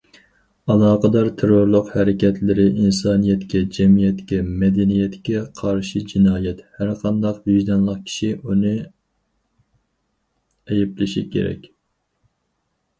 ئالاقىدار تېررورلۇق ھەرىكەتلىرى ئىنسانىيەتكە، جەمئىيەتكە، مەدەنىيەتكە قارشى جىنايەت، ھەرقانداق ۋىجدانلىق كىشى ئۇنى ئەيىبلىشى كېرەك.